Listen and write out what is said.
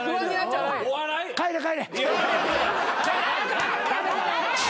帰れ帰れ。